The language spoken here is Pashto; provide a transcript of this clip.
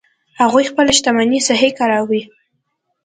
هغوی خپلې شتمنۍ صحیح کاروي